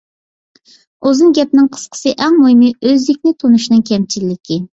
ئۇزۇن گەپنىڭ قىسقىسى، ئەڭ مۇھىمى ئۆزلۈكنى تونۇشنىڭ كەمچىللىكى.